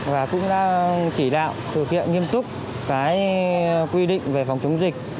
và cũng đã chỉ đạo thực hiện nghiêm túc cái quy định về phòng chống dịch